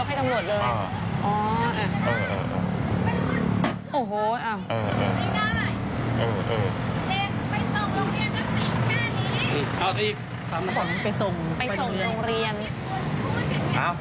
ไปส่งโรงเรียน